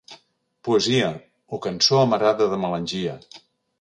Poesia o cançó amarada de melangia.